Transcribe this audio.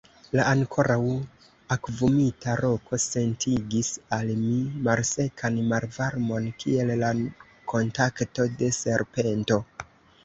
La ankoraŭ akvumita roko sentigis al mi malsekan malvarmon, kiel la kontakto de serpento.